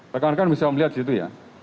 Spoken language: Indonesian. rekan rekan bisa melihat disitu ya